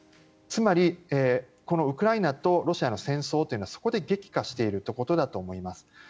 つまりこのウクライナとロシアの戦争というのはそこで激化しているということだと思います。